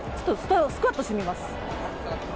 スクワットしてみます。